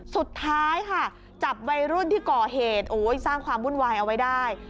สุดท้ายค่ะจับวัยรุ่นที่ก่อเหตุสร้างความวุ่นวายเอาไว้ได้